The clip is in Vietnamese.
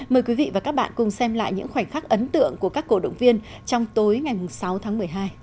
mời quý vị và các bạn cùng xem lại những khoảnh khắc ấn tượng của các cổ động viên trong tối ngày sáu tháng một mươi hai